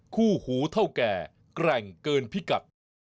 คู่หูเท่าแก่แกร่งเกินพิกัด